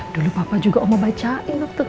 dulu papa juga oma bacain waktu kecil